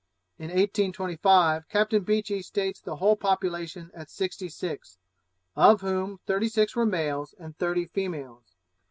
In 1825, Captain Beechey states the whole population at sixty six, of whom thirty six were males, and thirty females.